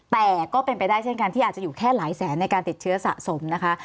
แต่ก็เป็นไปได้เช่นกันที่อาจจะอยู่แค่หลายแสนในการติดเชื้อสะสมนะคะ